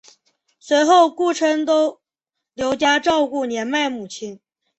随后顾琛都留家照顾年迈母亲。